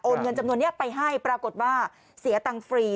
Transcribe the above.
เงินจำนวนนี้ไปให้ปรากฏว่าเสียตังค์ฟรี